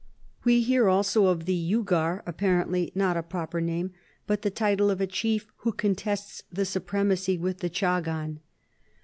We hear also of the jugur^ appar ently not a proper name, but the title of a chief who contests the su])remacy with the chagan.